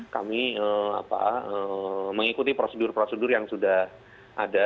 kami mengikuti prosedur prosedur yang sudah ada